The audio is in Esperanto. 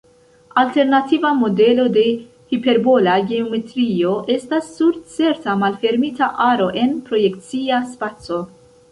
Alternativa modelo de hiperbola geometrio estas sur certa malfermita aro en projekcia spaco.